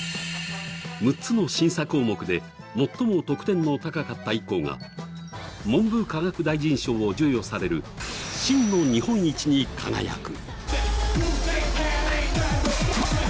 ６つの審査項目で最も得点の高かった１校が文部科学大臣賞を授与される真の日本一に輝く。